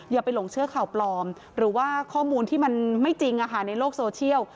อย่าไปหลงเชื่อข่าวปลอมหรือว่าข้อมูลที่มันไม่จริงในโลกโซเชียล